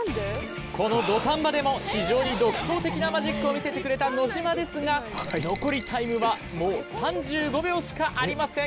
この土壇場でも非常に独創的なマジックを見せてくれた野島ですが残りタイムはもう３５秒しかありません。